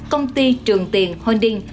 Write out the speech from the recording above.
công ty trường tiền holding